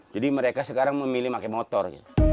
jadi mereka sekarang memilih pakai motor